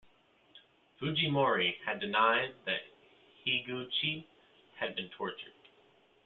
Fujimori has denied that Higuchi had been tortured.